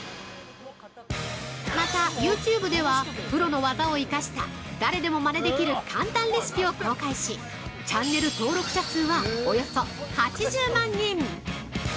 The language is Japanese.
またユーチューブではプロの味を生かした誰でもまねできる簡単レシピを公開し、チャンネル登録者数はおよそ８０万人！